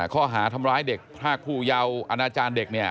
ข้อหาทำร้ายพ่าผู้ยาวอาณาจารย์เด็ก